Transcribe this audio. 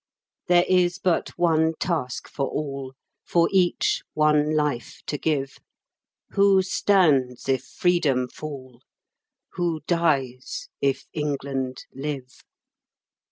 There is but one task for all For each one life to give, Who stands if freedom fall? Who dies if England live?"